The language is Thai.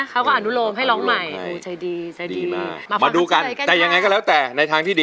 เขาก็อารุโรมให้ล้องใหม่